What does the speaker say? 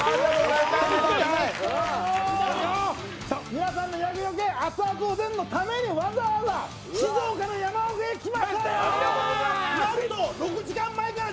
皆さんの厄よけ、熱々おでんのためにわざわざ静岡の山奥に来ましたよ。